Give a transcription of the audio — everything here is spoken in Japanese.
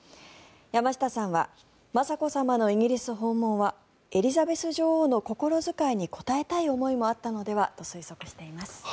山下さんは雅子さまのイギリス訪問はエリザベス女王の心遣いに応えたい思いもあったのではと推測しています。